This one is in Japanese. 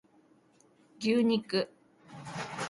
牛肉